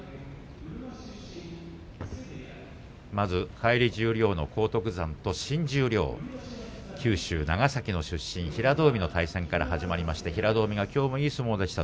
返り十両の荒篤山と新十両、九州長崎の出身の平戸海の対戦から始まりました。